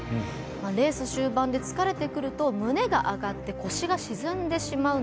レース終盤で疲れてくると胸が上がって腰が沈んでしまうんですね。